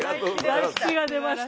大吉が出ました。